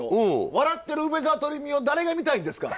笑ってる梅沢富美男を誰が見たいんですか？